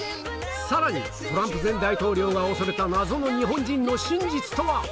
さらにトランプ大統領が恐れた謎の日本人の真実とは？